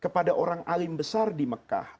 kepada orang alim besar di mekah